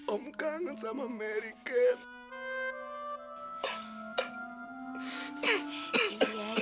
om kangen sama mary ken